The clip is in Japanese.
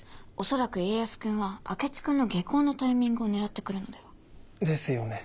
恐らく家康君は明智君の下校のタイミングを狙って来るのでは？ですよね。